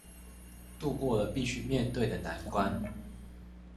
渡過了必須面對的難關